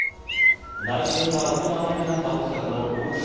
内戦が行われる中、起きた大地震。